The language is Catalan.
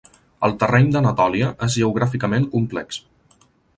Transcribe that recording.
El terreny d'Anatòlia és geogràficament complex.